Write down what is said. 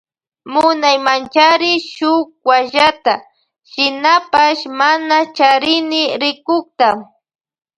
Munaymanchari shuk wallata shinapash mana charini rikukta.